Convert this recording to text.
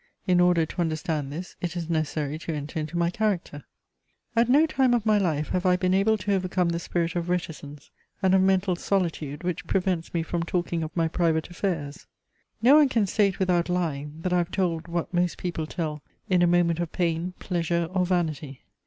In order to understand this it is necessary to enter into my character. At no time of my life have I been able to overcome the spirit of reticence and of mental solitude which prevents me from talking of my private affairs. [Sidenote: My reserved nature.] No one can state without lying that I have told what most people tell in a moment of pain, pleasure, or vanity.